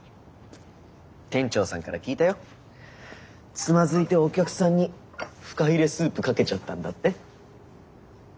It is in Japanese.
つまずいてお客さんにフカヒレスープかけちゃったんだって？